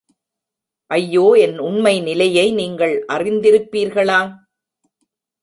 ஐயோ என் உண்மை நிலையை நீங்கள் அறிந்திருப்பீர்களா?